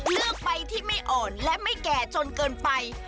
เลือกใบที่ไม่อ่อนและไม่แก่จนเกินไป